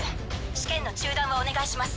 試験の中断をお願いします。